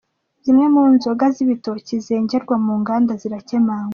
Zimwe mu nzoga z’ibitoki zengerwa mu nganda zirakemangwa